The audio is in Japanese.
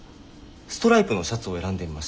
ストライプのシャツを選んでみました。